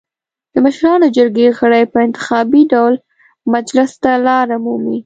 د مشرانو جرګې غړي په انتخابي ډول مجلس ته لار مومي.